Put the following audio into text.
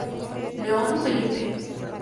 León Felipe.